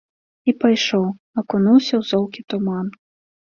І пайшоў, акунуўся ў золкі туман.